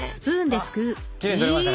あっきれいに取れましたね。